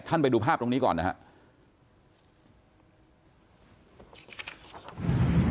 ท่านไปดูภาพตรงนี้ก่อนนะฮะ